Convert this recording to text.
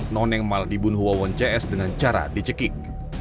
wawan dibunuh wawan cs dengan cara dicekik